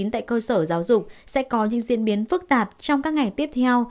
tại cơ sở giáo dục sẽ có những diễn biến phức tạp trong các ngày tiếp theo